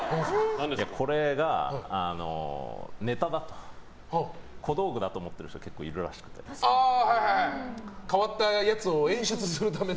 これが、ネタだと小道具だと思っている人が変わったやつを演出するため。